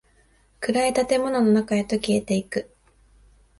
暗い建物の中へと消えていく。